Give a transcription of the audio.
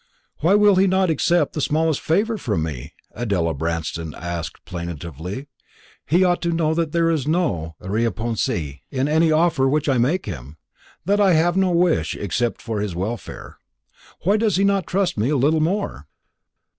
"Why will he not accept the smallest favour from me?" Adela Branston asked plaintively. "He ought to know that there is no arrière pensée in any offer which I make him that I have no wish except for his welfare. Why does he not trust me a little more?"